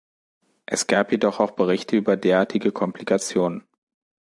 Es gab jedoch auch Berichte über derartige Komplikationen.